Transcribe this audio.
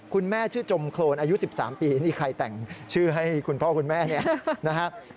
คุณแม่ชื่อจมโครนอายุ๑๓ปีนี่ใครแต่งชื่อให้คุณพ่อคุณแม่เนี่ยนะฮะ